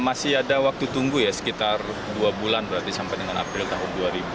masih ada waktu tunggu ya sekitar dua bulan berarti sampai dengan april tahun dua ribu dua puluh